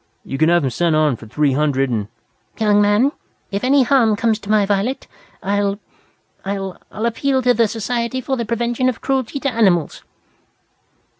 You can have him sent on for three hundred and " "Young man, if any harm comes to my Violet I'll I'll I'll appeal to the Society for the Prevention of Cruelty to Animals!"